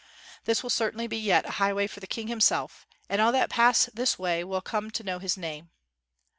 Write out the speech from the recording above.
This will certainly be yet a highway for the King Himself, and all that pass this way will come to know his name.